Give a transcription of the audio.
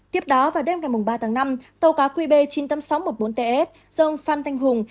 tiếp đó vào đêm ngày ba tháng năm tàu cá qb chín mươi tám nghìn sáu trăm một mươi bốn ts do ông phan thanh hùng